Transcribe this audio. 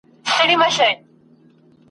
تشه لاسه ته مي دښمن یې !.